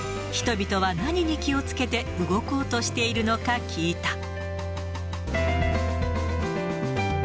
人々は何に気をつけて動こうとしているのか聞いた。